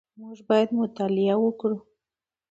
موږ باید مطالعه وکړو